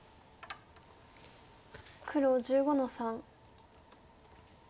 黒１５の三。